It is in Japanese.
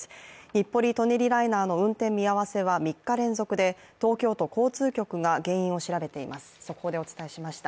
日暮里・舎人ライナーの運転見合わせは３日連続で東京都交通局が原因を調べています。